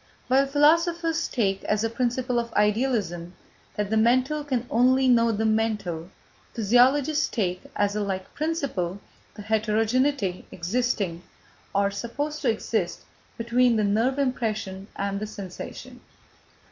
While philosophers take as a principle of idealism, that the mental can only know the mental, physiologists take, as a like principle, the heterogeneity existing, or supposed to exist, between the nerve impression and the sensation.